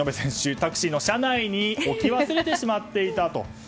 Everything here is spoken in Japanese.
タクシーの車内に置き忘れてしまっていたと。